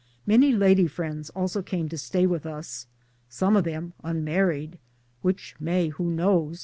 Many lady friends also came to stay with us some of them unmarried (which may, who knows?